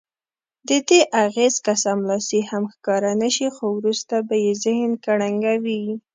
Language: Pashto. ددې اغېز که سملاسي هم ښکاره نه شي خو وروسته به یې ذهن کړنګوي.